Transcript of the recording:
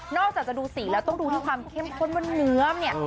อกจากจะดูสีแล้วต้องดูที่ความเข้มข้นว่าเนื้อเนี่ย